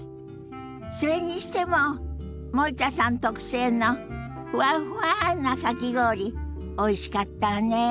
それにしても森田さん特製のふわっふわなかき氷おいしかったわね。